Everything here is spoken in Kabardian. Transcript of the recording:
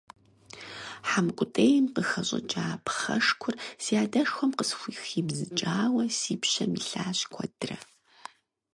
Хьэмкӏутӏейм къыхэщӏыкӏа пхъэшкур си адэшхуэм къысхухибзыкӏауэ си пщэм илъащ куэдрэ.